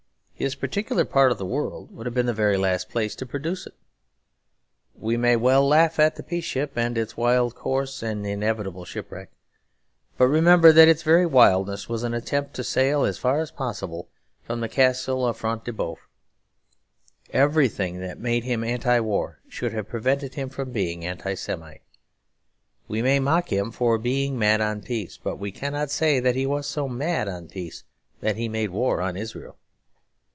His particular part of the world would have been the very last place to produce it. We may well laugh at the Peace Ship, and its wild course and inevitable shipwreck; but remember that its very wildness was an attempt to sail as far as possible from the castle of Front de Boeuf. Everything that made him Anti War should have prevented him from being Anti Semite. We may mock him for being mad on peace; but we cannot say that he was so mad on peace that he made war on Israel.